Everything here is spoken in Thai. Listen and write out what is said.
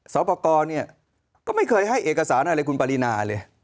สอบประกอบเนี่ยก็ไม่เคยให้เอกสารอะไรคุณปรินาเลย